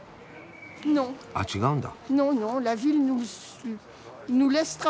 あっ違うんだ。